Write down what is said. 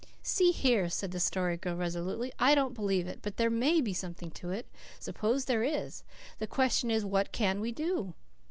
"See here," said the Story Girl resolutely, "I don't believe it, but there MAY be something in it. Suppose there is. The question is, what can we do?"